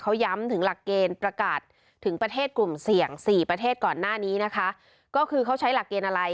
เขาย้ำถึงหลักเกณฑ์ประกาศถึงประเทศกลุ่มเสี่ยงสี่ประเทศก่อนหน้านี้นะคะก็คือเขาใช้หลักเกณฑ์อะไร